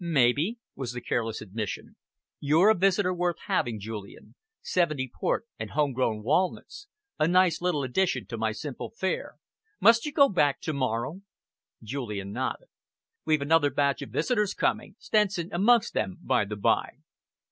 "Maybe," was the careless admission. "You're a visitor worth having, Julian. '70 port and homegrown walnuts! A nice little addition to my simple fare! Must you go back to morrow?" Julian nodded. "We've another batch of visitors coming, Stenson amongst them, by the bye."